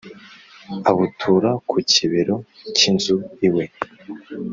abutura ku kibero cy’inzu iwe.